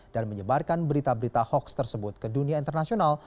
dan menyebarkan berita berita hoaks tersebut ke dunia internasional